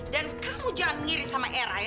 dan kamu jangan ngiri sama era ya